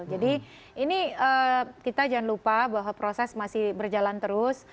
jadi ini kita jangan lupa bahwa proses masih berjalan terus